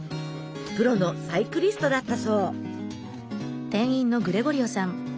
プロのサイクリストだったそう。